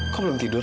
kamu belum tidur